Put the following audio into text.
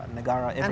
negara dari mana pun